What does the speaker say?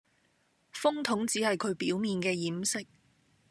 風筒只係佢表面嘅掩飾